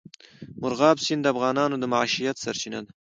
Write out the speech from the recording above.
مورغاب سیند د افغانانو د معیشت سرچینه ده.